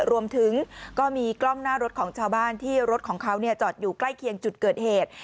รวมถึงก็มีกล้องหน้ารถของชาวบ้านที่รถของเขาจอดอยู่ใกล้เคียงจุดเกิดเหตุ